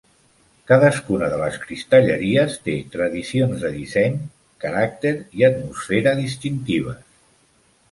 Cadascuna de les cristalleries té tradicions de disseny, caràcter i atmosfera distintives.